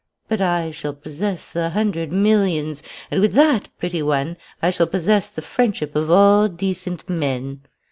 But I shall possess the hundred millions; and with that, pretty one, I shall possess the friendship of all decent men!